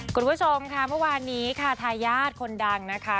คุณผู้ชมค่ะเมื่อวานนี้ค่ะทายาทคนดังนะคะ